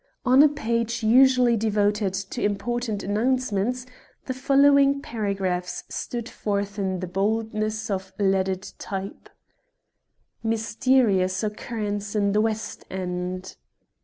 On a page usually devoted to important announcements, the following paragraphs stood forth in the boldness of leaded type: "MYSTERIOUS OCCURRENCE IN THE WEST END.